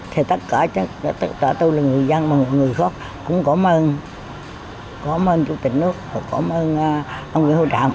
thì tất cả tôi là người dân người khóc cũng cảm ơn chủ tịch nước cảm ơn ông nguyễn phú trọng